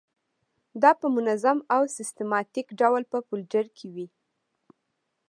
دا په منظم او سیستماتیک ډول په فولډر کې وي.